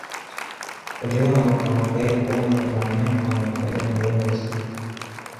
Wengi wao wanafurahi kuona kuna wanyama wanaopenda kuwinda usiku